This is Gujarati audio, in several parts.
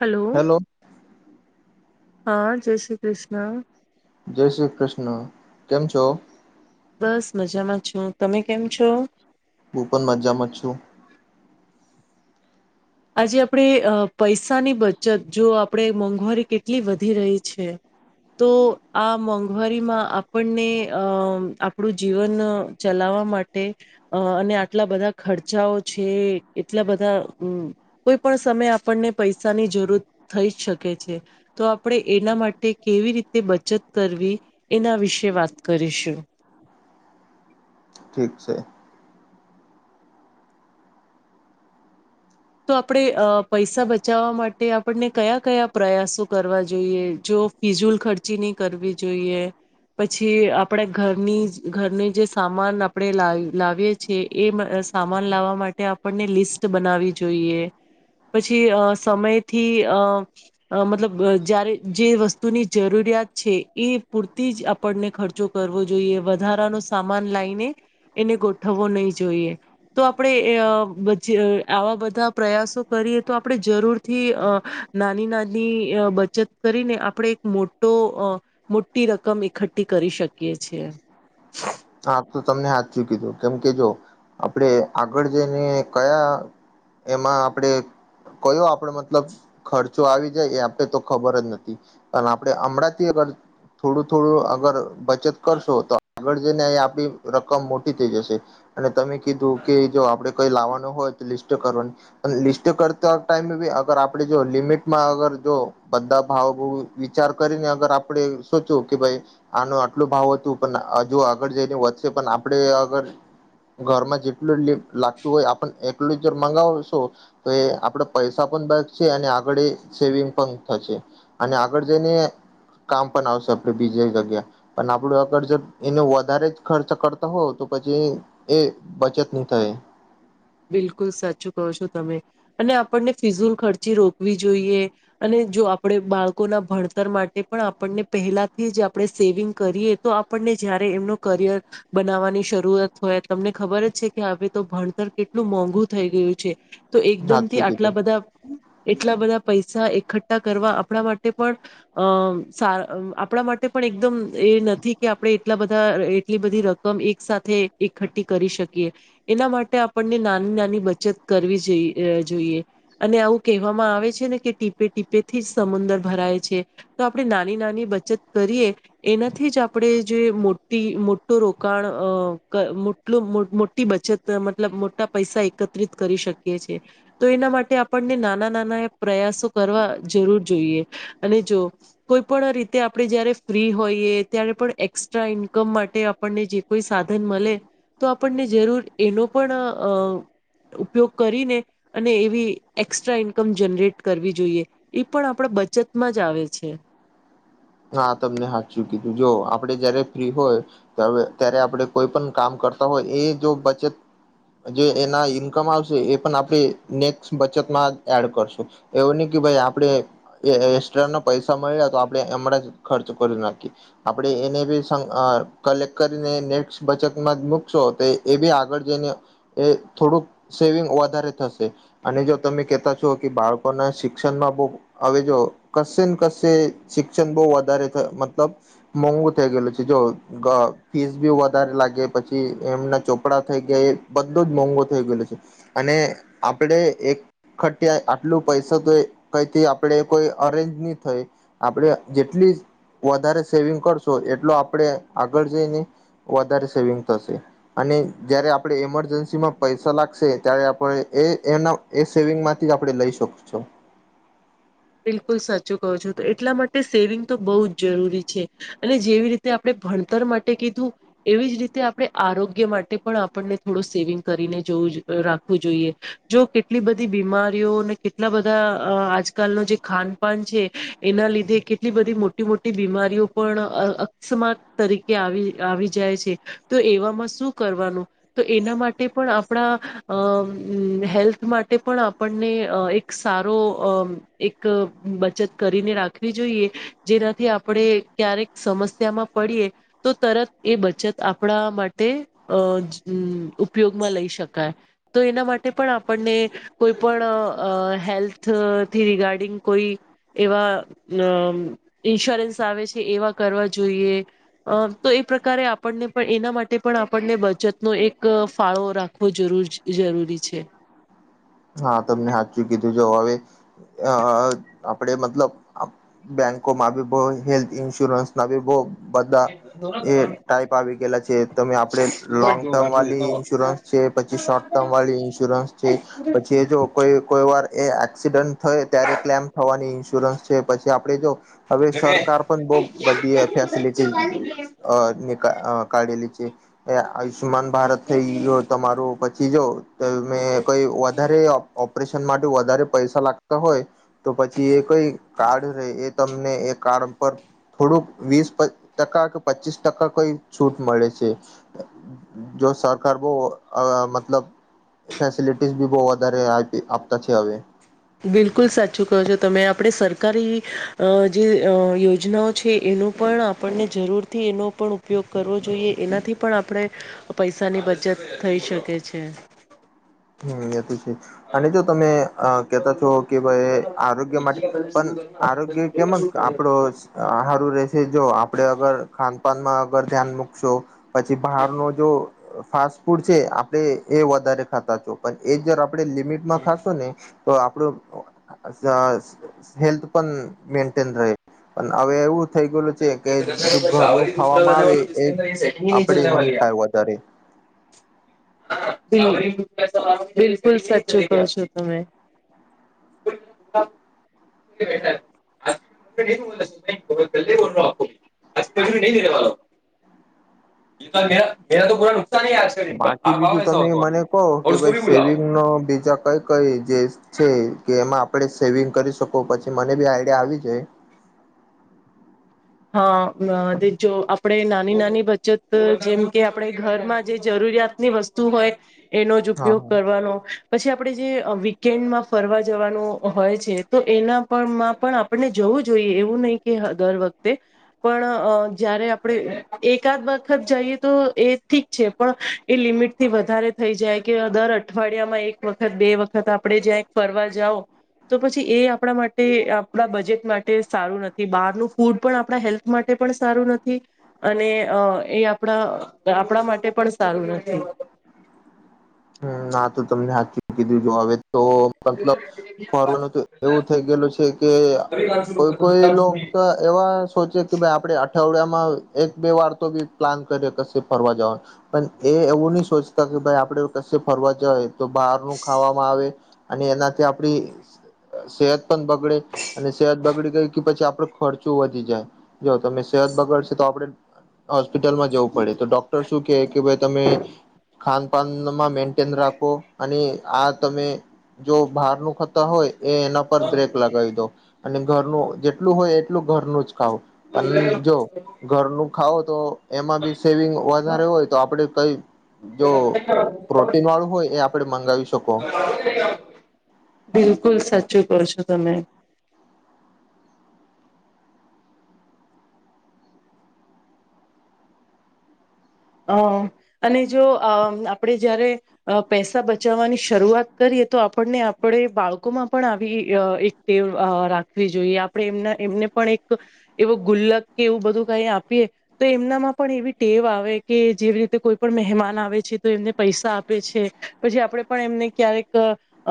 હલો. હેલો હા જય શ્રી કૃષ્ણ. જય શ્રી કૃષ્ણ કેમ છો? બસ મજામાં છો તમે કેમ છો? હું પણ મજા મત છું. આજે આપણે અ પૈસાની બચત જો આપણે મોંઘવારી કેટલી વધી રહી છે. તો આ મોંઘવારીમાં આપણને અ આપણું જીવન ચલાવ વા માટે અને આટલા બધા ખર્ચાઓ છે એટલા બધા અમ્મ કોઈ પણ સમય આપણને પૈસાની જરૂર થઈ જ શકે છે તો આપણે એના માટે કેવી રીતે બચત કરવી એના વિશે વાત કરીશું. [inaudible] ઠીક છે. તો આપણે અ પૈસા બચાવવા માટે આપણને કયા કયા પ્રયાસો કરવા જોઈએ જો તો ફિઝુલ ખર્ચી નહી કરવી જોઈએ. પછી આપણે ઘરની ઘરની જે સામાન આપણે લ લાવીએ છીએ એ સામાન લાવવા માટે આપણને લિસ્ટ બનાવી જોઈએ. પછી અ સમયથી અ મતલબ જ્યારે જે વસ્તુની જરૂરી [unintelligible] છે એ પૂરતી જ આપણને ખર્ચો કરવો જોઈએ વધારાનો સામાન લઇને એને ગોઠવવો નહી જોઈએ તો આપડે આવા બા પ્રયાસો કરીએ તો આપણે જરૂરથી નાની નાની બચત કરીને આપ આપણે એક મોટો અ મોટી રકમ એકઠ્ઠી કરી શકીએ છીએ હા તો તમને હાથ ચૂકી દો કેમ કે જો આપણે આગળ જઈને કયા એમાં આપણેે કયો આપણે મતલબ ખર્ચો આવી જાય એ આપે તો ખબર જ નથી પણ આપડે હમણાં થોડું થોડું અગર બચત કરશો તો આગળ આપી રકમ મોટી થઈ જશે અને તમે કીધું કે જો આપડે કઈ લાવવાનું હોય તો લિસ્ટ કરવાની લિસ્ટ કરતો આ ટાઈમે અગર આપડે જો લિમિટમાં અગર જો બધા ભાવભ વિચાર કરીને અગર આપડે ચું કે ભાઈ આનું આટલું ભાવ હતું પણ હજું જો આગળ જઈને વધશે પણ આપડે આગર ઘરમાં જેટલું લાગતું હોય આપને એલું જ જો મંગાવશો તો એ આપડે પૈસા આ સેવિંગ પણ અને આગળ જઈને કામ પણ આવશે આપે બીજ જગ્યા પણ આપડું આગર એને વધારે જ ખર્ચ કરતા હોવ તો પછી એ બચતની થાય [inaudible] બિલકુલ સાચું કહો છો તમે અને આપણને ફિઝુલ ખર્ચી રોકવી જોઈએ અને જો આપણે બાળકોના ભણતર માટે પણ આપણને પહેલાથી જ આપણે સેવિંગ કરીએ તો આપડે જયારે એમનું કરિયર બનાવવાની શરૂઆત હોય તમને ખબર જ છે કે હ તો ભણતર કેટલું એટલું મોંઘું થઈ ગયું છે તો સાચું એકદમથી આટલા કીધું બધા એટલા બધા પૈસા એકઠ્ઠા કરવા આપણા માટે પણ અ સા આપણા માટે પણ એકદમ એ નથી કે આપણે એટલા બધા એટલી બધી રકમ એક સાથે એકઠ્ઠી કરી શકીએ એના માટે આપ આપણને નાની નાની બચત કરવીઈ જોઈએ અને આવું કહેવામાં આવે છે ને કે ટીપે ટીપેથી જ સમુદર ભરાય છે તો આપણે નાની નાની બચત કરીએ એનાથી જ આપણે જે મોટી મોટું રોકાણ મોટી બચત મોટા પૈસા એકત્રિત કરી શકીએ છીએ તો એના માટે આપણને નાના નાના પ્રયાસો કરવા જરૂર જોઈએ અને જો કોઈ પણ રીતે આપણે જયારે ફ્રી હોઈએ ત્યારે પણ એસ્ટ્રા ઇન્કમ માટે આપણને જે કોઈ સાધન મળે તો આપણને જરૂર એનો પણ ઉપયોગ કરીને અને એવી એસ્ટ્રા ઈન્કમ જનરેટ કરવી જોઈએ એ પણ આપણા બચતમાં જ આવે છે તમને હાચુ કીધું જો આપડે જયારે ફ્રી હોય ત્યારે આપણે કોઈ પણ કામ કરતા હોય એ જો બચત જે એના ઈન્કમ આવશે એ પણ આપણે નેક્સ્ટ બચતમાં એડ કરશું એવું નહી કે ભાઈ આપડે એસ્ટ્રા ના પૈસા મળ્યા તો આપડે એમણાં જ ખર્ચ કરી નાખી આપડણે એને બી કલેક્ટ કરીને નેક્સ્ટ બચતમાં મુકશો તો એ બી આગળ થોડુંક સેવિંગ વધારે થશે અને જો તમે કેતા છો કે બાળકો ને શિક્ષણમાં બહું હવે જો કશે ને કશે શિક્ષણ બહું વધારે મતલબ મોંઘુ થઈ ગયેલું છે જો ફીસ બી વધારે લાગે પછી એમના ચોપડા થઈ એ બધો જ મોંઘો થઈ ગયેલો છે અને આપણે એક ખ એટલું પૈસા તો કઈથી આપણે કોઈ અરેન્જ નહી થઈ આપણે જેટલી વધારે સેવિંગ કરશો એટલો આપડે આગળ જઈને વધારે સેવિંગ થશે અને જયારે આપણે એમરજન્સી માં પૈસા લાગશે ત્યારે આપણે એ એના એ સેવિંગ માંથી આપણે લઈ શ શકશું બિલકુલ સાચું કહો છો તો એટલા માટે સેવિંગ તો બહુ જ જરૂરી છે અને જેવી રીતે આપણે ભણતર માટે કીધું એવી જ રીતે આપણે આરોગ્ય માટે પણ આપણને થોડો સેવિંગ કરીને જો જોઈ જો કેટલી બધી બીમારીઓ કેટલા બધા આજ કાલનું જે ખાનપાન છે એના લીધે કેટલી બધી મોટી મોટી બીમારીઓ પણ સ્માર્ક તરીકે આવી આવી જાય છે તો એવામાં શું કરવાનું તો એના માટે પણ આપણા અ હેલ્થ માટે પણ આપણને અ એક સારો અ એક બચત કરીને રાખવી જોઈએ જેનાથી આપણે ક્યારેક સમસ્યામાં પડીએ તો તરત એ બચત આપડા માટે અ ઉપયોગમાં લઈ શ શકાય તો એના માટે પણ આપણને કોઈ પણ અ હેલ્થ થી રિગાર્ડિંગ કોઈ એવા ઇન્સ્યોરન્સ આવે છે એવા કરવા જોઈ યે અ તો એ પ્રકારે આપ એના માટે પણ આપને બચતનો એક ફાળો રાખવો જરૂરી છે હા તમને હાચું કીધું જો હવે અ આપડે મતલબ બેંકોમાં બી બો હેલ્થ ઇન્સ્યોરન્સ ના બી બો બધા એ ટાઈપ આવી ગયલા છે તમે આપડે લોંગ ટર્મ વાળલી ઇન્સ્યોરન્સ છે પછી શોર્ટ ટર્મ ટમ વાળી ન્સ્યોરન્સ છે પછી એ જો કોઈ કોઈ વા ર એ એક્સિડન્ટ થઈ ત્યારે ક્લેમ થવાની ઇન્સ્યોરન્સ છે પછી આપડે જો હવે સરકાર પણ બો બધી ફેસિલિટી અ કાઢેલી છે એ આયુષ્યમાન ભારત થઈ તમારું પછી જો ત મેં કોઈ વો ઓપરેશન માટે વધારે પૈસા લાગતા હોય તો પછી એ કઈ કાર્ડ ર તમને એ કારણ પર થોડુંક વીસ ટકા કે પચીસ ટકા કોઈ છૂટ મળે છે. જો સરકાર બો અ મતલબ ફેસલિટીઝ બી બો વધારે આપતા છે હવે બિલકુલ સાચું કહો છો તમે આપડે સરકારી અ જે યોજનાઓ છે એ નું પણ આપણને જરૂરથી એનો પણ ઉપયોગ કરવો જોઈએ એનાથી પણ આપણે પૈસાની બધ ચત થઈ શકે છે. હમ એ તો છે અને જો તમે અ કેતા તો કે ભઈ આરોગ્ય માટે પણ આરોગ્ય કેમ આપડો આ હારું રેશે જો આપડે અગર ખાનપાનમાં અગર ધ્યાન મુકશો પછી બહાર નું જો ફાસ્ટ ફૂડ છે આપડે એ વધારે ખાતા છો પણ એ જ પડે લિમિટમાં ખાશો ને તો આપડું અ હેલ્થ પણ મેન્ટેન રહે પણ હવે એવું થઈ ગયેલું છે કે જો ઘરનું ખાવામાં આવે એ આપડે નહી ખાય વધારે [inaudible] બિલકુલ સચચો કહો છો તમે [inaudible] [unintelligible] મેરા તો પુરા બાકી બીજું તમે મને કહો કે ભઈ સેવિંગ નો બીજા કઈ કઈ જે છે કે એમાં પડે સેવિંગ કરી શકો પછી મને બી આઈડિયા આવી જાય હા જો આપડે નાની નાની બચત જેમ કે આપડે ઘરમાં જે જરૂ રૂરિયાતની વસ્તુ હોય એનો જ હા ઉપયોગ હા કરવાનો પછી આપડે જે વીકેન્ડમાં ફરવા જવાનું હોય છે તો એનામાં પણ આપને જવ વું જોઈએ એવું નહી કે દર વખતે પણ જયારે આપડે એકાદ વખત જઈએ તો એ ઠીક છે પણ એ લી મિટથી વધારે થઈ જાય કે દર અઠવાડિયામાં એક વખત બે વખત આપડે જ્યાં ફરવા જાવ તો પછી એ આપડા માટે આપડા બજેટ માટે સારું નથી બહારનું ફૂડ પણ આપડા હેલ્થ માટે પણ સારું નથી અને એ આપડા આપડા માટે પણ સારું નથી. હમ્મ ના તો તમને હાચૂ જ કીધું જો હવે તો મતલબ ફરવાનું તો એવું થઈ ગયેલું છે કે કોઈ કોઈ લોક તો એવા સોચે કે ભાઈ આપડે અઠવાડિયામાં માં એક બે વાર તો બી પ્લાન કરીયે કસે ફરવા જવાનું પણ એ એવું નહી સોચતા કે ભાઈ આપણે કસે ફરવા જાય તો બહારનું ખાવામાં આવે અને એનાથી આપડી સેહત પણ બગડે અને સેહત બગડી ગય કે પછી આપ ડો ખર્ચો વધી જાય જો તમે સેહત બગડ સે તો આપડે હોસ્પિટલમાં જવું પડે તો ડોક્ટર શું કે કે ભાઈ તમે ખાનપાનનું માં મેઈનટેન રાખો અને આ તમે જો બહાર નું ખાતા હોય એ એના પર બ્રેક લગાવી દો અને ઘરનું જેટલું હોય એટલું ઘરનું જ ખાવ પણ જો ઘરનું ખાવ તો એમાં બી સેવિંગ વધારે હોય તો આપડે [unintelligible] [inaudible] પ્રોટીન વાળું હોય એ આપડે મંગાવી શકો બિલકુલ સા ચું કહો છો તમે. અ અને જો અ આપણેે જયારે અ પૈસા બચાવવાની શરૂઆત કરીએ તો આપણને આપણે બાળકોમાં પણ આવી અ એક ટેવ રાખવી જોઈએ આપણે એમના એમ એક એવુ ગુલ્લક કે એવું બધું કઈ આપીએ તો એમનામાં પણ એવી ટેવ આવે કે જેવી રીતે કોઈ પણ મહેમાન આવે છે તો એમને પૈસા આપે છે પછી આપણેે પણ એમને ક્યારેક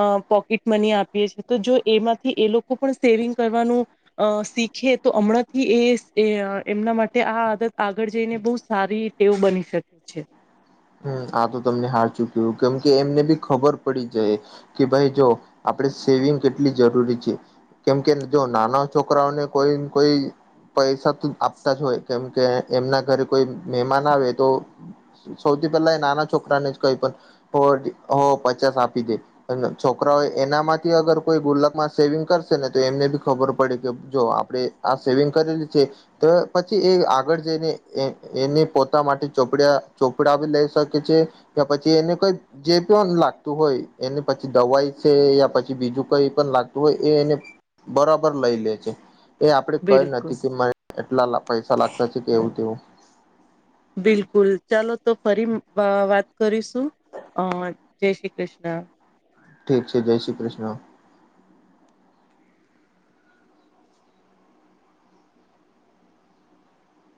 અ પોકેટ મની આપીએ છેતો જો એમાંથી એ લોકો પણ સેવિંગ કરવાનું અ શીખે તો અમણાંથી એ એમના માટે આ આદત આગળ જઈને બો સારી એવું બની શકે છે. હમ્મ આ તો તમને હાચૂ ક્યૂ કેમ કે એમને બી ખબર પડી જાય કે ભાઈ જો આપણે સેવિંગ કેટલી જરૂરી છે કેમ કે જો નાના છોકરાઓને કોઈ કોઈ પૈસા તો આપતા જ હોય કેમ કે એમના ઘરે કોઈ મહેમાન આવે તો સૌથી પેલા એ નાના છોકરાને જ કહી પણ હો પચાસ આપી દે અને છોકરાઓ એના માંથી અગર કોઈ ગુલ્લક માં સેવિંગ કરશે ને તો એમને બી ખબર પડે કે જો આપડે આ સેવિંગ કરેલી છે તો પછી એ આગળ જઈને એને પોતા માટે ચોપડયા ચોપડા ભી લઈ શકે છે કે પછી એને કોઈ જે પણ લાગતું હોય એને પછી દવાઈ છે યા પછી બીજું કઈ પણ લાગતું હોય એ એને બરાબર લઈ લે છે. એ આપડે કઈ બિલકુલ. નથી કે મને એટલા પૈસા લાગતા છે કે એવું તેવું બિલકુલ ચાલો તો ફરી અ વાત કરીશું. હહ જય શ્રી કૃષ્ણ ઠીક છે જય શ્રી કૃષ્ણ.